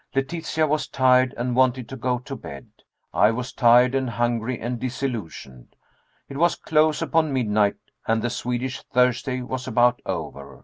Letitia was tired and wanted to go to bed. I was tired and hungry and disillusioned. It was close upon midnight and the Swedish Thursday was about over.